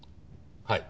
はい。